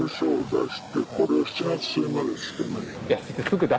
いや。